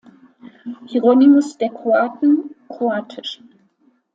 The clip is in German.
Hieronymus der Kroaten", kroat.